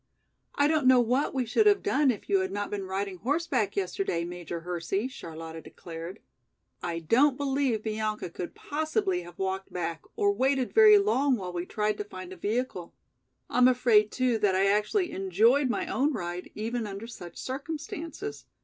"I don't know what we should have done if you had not been riding horseback yesterday, Major Hersey," Charlotta declared. "I don't believe Bianca could possibly have walked back, or waited very long while we tried to find a vehicle. I'm afraid too that I actually enjoyed my own ride even under such circumstances.